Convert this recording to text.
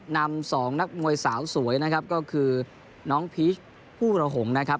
นำสองนักมวยสาวสวยนะครับก็คือน้องพีคผู้ระหงนะครับ